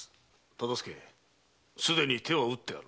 忠相すでに手は打ってある。